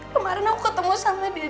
kemarin aku ketemu sama dia